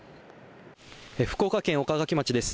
福岡県岡垣町です。